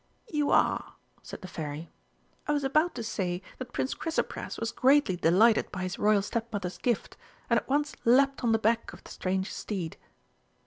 "You are," said the Fairy. "I was about to say that Prince Chrysopras was greatly delighted by his Royal Stepmother's gift, and at once leapt on the back of the strange steed."